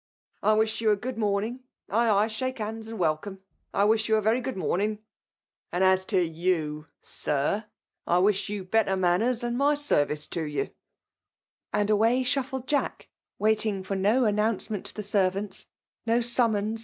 I wish you good mom J9g; nyi ^yl fihake hands, and welcome. I friah you a very good morning; and as to ycu, >Snr, I wish ynu better manners, and my service Ajld Away shuffled Jack, waiting for no announcement to the servants, no summons 182 FEMALE DOMIKATION.